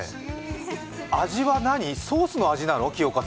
味はソースの味なの？